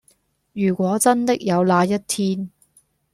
如果真的有那一天